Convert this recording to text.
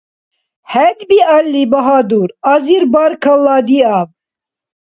ХӀед биалли, багьадур, азир баркалла диаб!